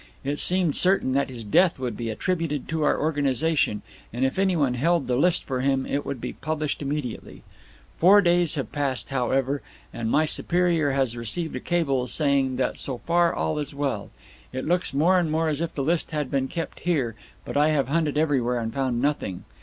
It seemed certain that his death would be attributed to our organization, and if anyone held the list for him it would be published immediately. Four days have passed, however, and my superior has received a cable saying that so far all is well. It looks more and more as if the list had been kept here, but I have hunted everywhere and found nothing.